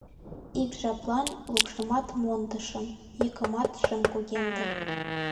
Ик жаплан лупшымат мондышым, йӱкымат шым кугемде.